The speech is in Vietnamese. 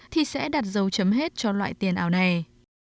thì sẽ đặt dấu chấm hết cho loại tiền ảo này